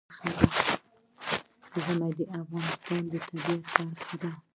ژمی د افغانستان د طبیعت برخه ده.